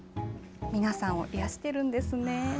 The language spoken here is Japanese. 皆さんを癒やしているんですね。